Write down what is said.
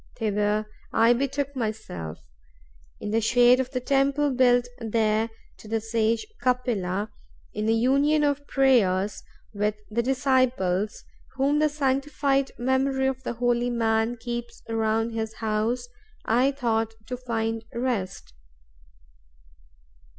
Thither I betook myself. In the shade of the temple built there to the sage Kapila, in a union of prayers with the disciples whom the sanctified memory of the holy man keeps around his house, I thought to find rest.